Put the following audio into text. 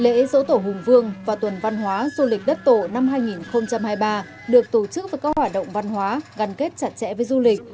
lễ dỗ tổ hùng vương và tuần văn hóa du lịch đất tổ năm hai nghìn hai mươi ba được tổ chức với các hoạt động văn hóa gắn kết chặt chẽ với du lịch